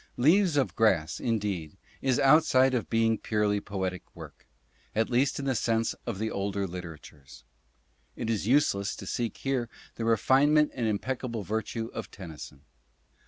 "Leaves of Grass," indeed, is outside of being a purely poetic work, at least in the sense of the older literatures. It is useless to seek here the refinement and impeccable virtue of Tennyson.